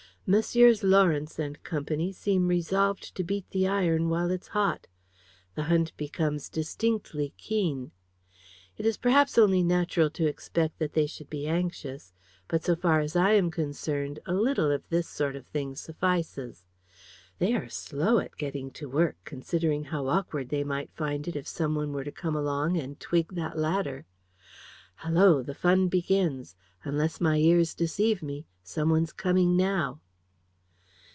Messrs. Lawrence and Co. seem resolved to beat the iron while it's hot. The hunt becomes distinctly keen. It is perhaps only natural to expect that they should be anxious; but, so far as I am concerned, a little of this sort of thing suffices. They are slow at getting to work, considering how awkward they might find it if some one were to come along and twig that ladder. Hallo, the fun begins! Unless my ears deceive me, some one's coming now."